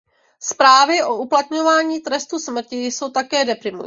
Zprávy o uplatňování trestu smrti jsou také deprimující.